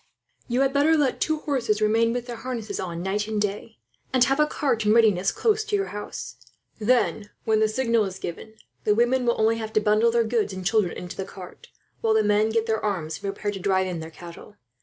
"You had better let two horses remain with their harness on, night and day; and have a cart in readiness, close to your house. Then, when the signal is given, the women will only have to bundle their goods and children into the cart; while the men get their arms, and prepare to drive in their cattle.